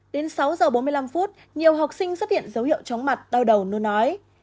đến sáu giờ bốn mươi năm phút nhiều học sinh xuất hiện dấu hiệu chóng mặt đau đầu nôn ói